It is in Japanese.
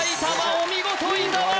お見事伊沢